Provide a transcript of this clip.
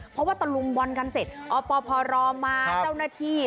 เพราะว่าตะลุมบอลกันเสร็จอปพรมาเจ้าหน้าที่